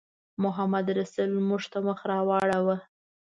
محمدرسول موږ ته مخ راواړاوه.